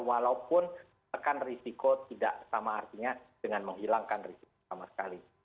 walaupun tekan risiko tidak sama artinya dengan menghilangkan risiko sama sekali